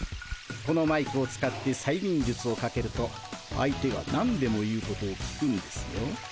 このマイクを使ってさいみんじゅつをかけると相手が何でも言うことを聞くんですよ。